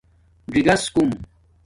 ِژِگس کُوم